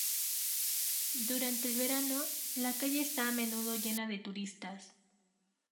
Durante el verano, la calle esta a menudo llena de turistas.